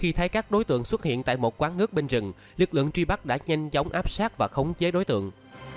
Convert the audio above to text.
khi thấy các đối tượng xuất hiện tại một quán nước bên rừng lực lượng truy bắt đã nhanh chóng áp sát và khống chế đối tượng